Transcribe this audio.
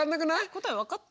答え分かった？